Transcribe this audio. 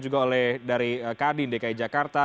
juga oleh dari kadin dki jakarta